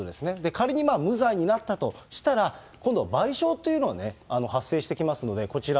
仮に無罪になったとしたら、今度、賠償というの、発生してきますので、こちら。